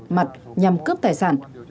mặt nhằm cướp tài sản